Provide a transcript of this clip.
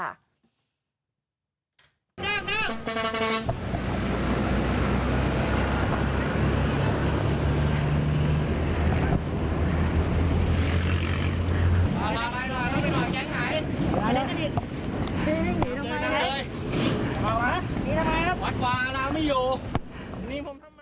วัดหวางอารามั้ยอยู่